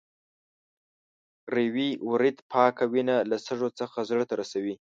ریوي ورید پاکه وینه له سږو څخه زړه ته رسوي.